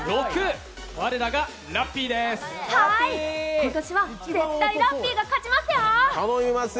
今年は絶対ラッピーが勝ちますよ。